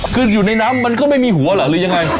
คืออยู่ในน้ำมันก็ไม่มีหัวเหรอหรือยังไง